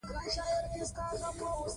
عمومي روغتیا د ورزش له امله ښه کېږي.